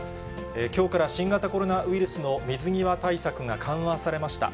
きょうから新型コロナウイルスの水際対策が緩和されました。